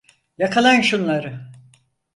Yakalayın şunları!